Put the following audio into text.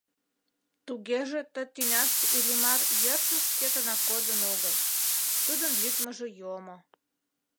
Тугеже ты тӱняште Иллимар йӧршын шкетынак кодын огыл, тудын лӱдмыжӧ йомо.